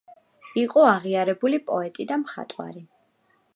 იყო აღიარებული პოეტი და მხატვარი.